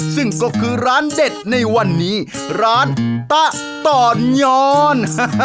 ซึ่งก็คือร้านเด็ดในวันนี้ร้านตะตอนย้อน